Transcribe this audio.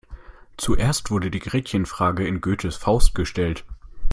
Zuerst wurde die Gretchenfrage in Goethes Faust gestellt.